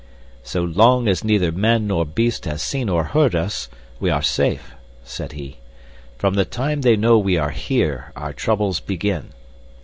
"So long as neither man nor beast has seen or heard us, we are safe," said he. "From the time they know we are here our troubles begin.